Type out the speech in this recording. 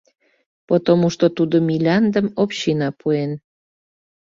Потому что тудо миляндым община пуен.